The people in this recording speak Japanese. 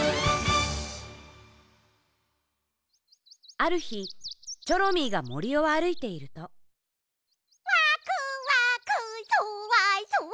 あるひチョロミーがもりをあるいているとワクワクソワソワ。